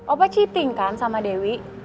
opa cheating kan sama dewi